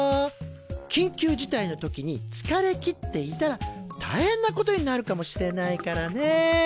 きんきゅう事態の時につかれきっていたら大変なことになるかもしれないからね。